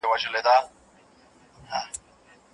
که موږ ځان وپېژنو نو نور به هم وپېژنو.